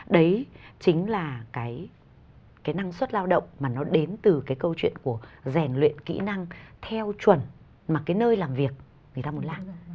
đấy chính là cái năng suất lao động mà nó đến từ cái câu chuyện của rèn luyện kỹ năng theo chuẩn mà cái nơi làm việc người ta muốn làm